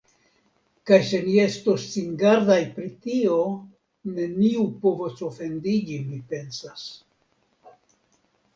Kaj se ni estos singardaj pri tio, neniu povos ofendiĝi, mi pensas?